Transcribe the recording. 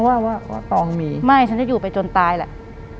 ว่าว่าตองมีไม่ฉันจะอยู่ไปจนตายแหละ